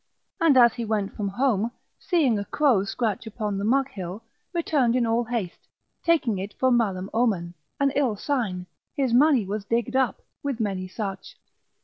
And as he went from home, seeing a crow scratch upon the muck hill, returned in all haste, taking it for malum omen, an ill sign, his money was digged up; with many such.